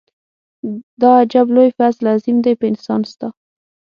دا عجب لوی فضل عظيم دی په انسان ستا.